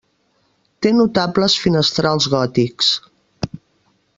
Té notables finestrals gòtics.